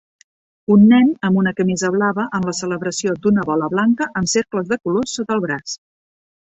Un nen amb una camisa blava en la celebració d'una bola blanca amb cercles de colors sota el braç.